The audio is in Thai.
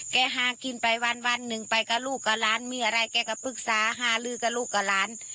แกหากินไปวันนึงไปก็ลูกก็ร้านมีอะไรแกก็ปรึกษาหาลือก็ลูกก็ร้าน